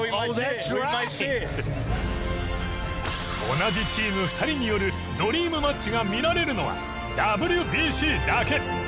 同じチーム２人によるドリームマッチが見られるのはＷＢＣだけ！